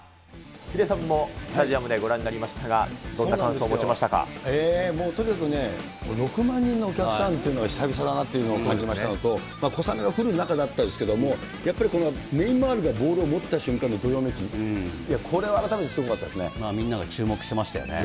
ヒデさんもスタジアムでご覧になりましたが、どんな感想を持ちまもうとにかくね、６万人のお客さんというのが久々だなというのを感じましたのと、小雨が降る中だったですけれども、やっぱりこのネイマールがボールを持った瞬間のどよめき、これはみんなが注目してましたよね。